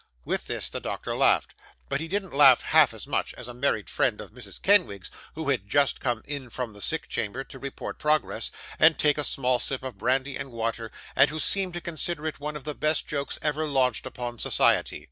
With this, the doctor laughed; but he didn't laugh half as much as a married friend of Mrs. Kenwigs's, who had just come in from the sick chamber to report progress, and take a small sip of brandy and water: and who seemed to consider it one of the best jokes ever launched upon society.